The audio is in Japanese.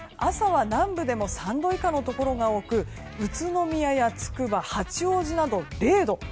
朝は南部でも３度以下のところが多く宇都宮やつくば、八王子など０度。